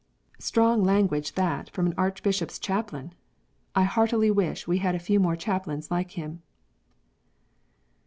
*75 Strong language that from an Archbishop s chaplain ! I heartily wish we had a few more chaplains like him.